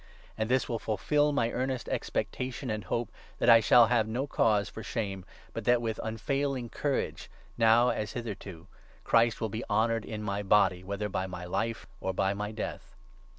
And this will fulfil my 20 earnest expectation and hope that I shall have no cause for shame, but that, with unfailing courage, now as hitherto, Christ will be honoured in my body, whether by my life or by my death.